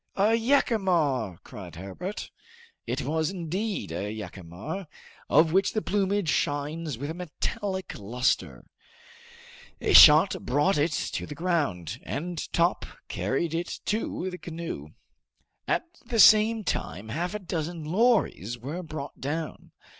"A jacamar!" cried Herbert. It was indeed a jacamar, of which the plumage shines with a metallic luster. A shot brought it to the ground, and Top carried it to the canoe. At the same time half a dozen lories were brought down.